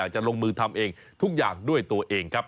ครับก็ตอนแรกเลยก็คือเหมือนทำส่งกันเองครับ